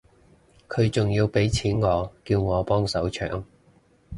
佢仲要畀錢我叫我幫手搶